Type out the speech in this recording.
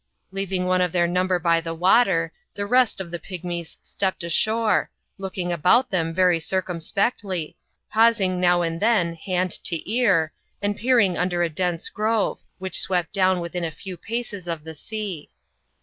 Leaving one of their number by the water, the rest of the pigmies stepped ashore, looking about them very circumspectly, pausing now and then hand to ear, and peering under a dense grove, which swept down within a few paces of the sea.